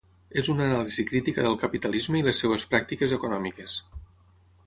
És una anàlisi crítica del capitalisme i les seves pràctiques econòmiques.